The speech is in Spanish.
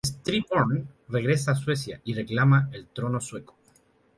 Styrbjörn regresa a Suecia y reclama el trono sueco.